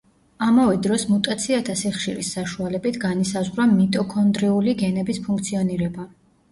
ამავე დროს მუტაციათა სიხშირის საშუალებით განისაზღვრა მიტოქონდრიული გენების ფუნქციონირება.